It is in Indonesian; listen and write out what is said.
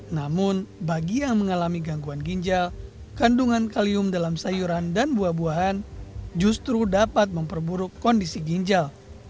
namun bagi yang mengalami gangguan ginjal kandungan kalium dalam sayuran dan buah buahan justru dapat memperburuk kondisi ginjal